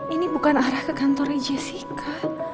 ini bukan arah ke kantornya jessica